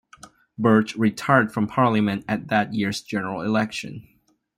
Birch retired from Parliament at that year's general election.